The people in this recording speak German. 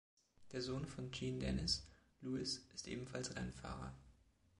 Der Sohn von Jean-Denis, Louis, ist ebenfalls Rennfahrer.